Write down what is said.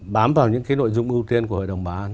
bám vào những cái nội dung ưu tiên của hội đồng bảo an